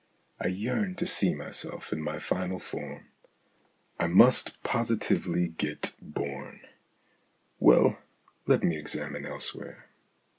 I yearn to see myself in my final form. I must positively get born. Well, let me examine elsewhere.